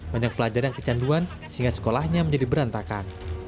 banyak pelajar yang kecanduan sehingga sekolahnya menjadi berantakan